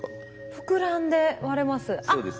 膨らんで割れます。